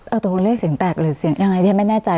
เอาตัวโดยเรียกเสียงแตกหรือเสียงยังไงที่ไม่แน่ใจ